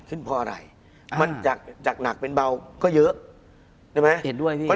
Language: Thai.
คุณผู้ชมบางท่าอาจจะไม่เข้าใจที่พิเตียร์สาร